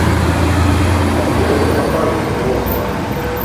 Amek ara ten-qablen, ur ẓran.